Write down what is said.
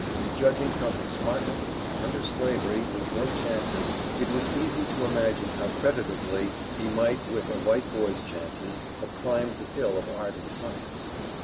Judging from his smartness, under slavery, with no chances, it was easy to imagine how creditably he might with a white boy's chances have climbed the hill of art and science.